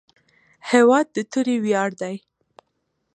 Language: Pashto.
هېواد د توري ویاړ دی.